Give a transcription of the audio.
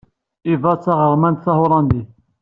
Eva d taɣermant tahulandit.